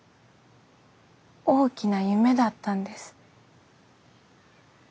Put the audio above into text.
大きな夢だったんです。